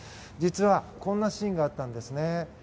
実は、こんなシーンがあったんですね。